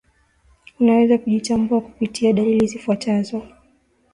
unaweza kujitambua kupitia dalili zifuatazo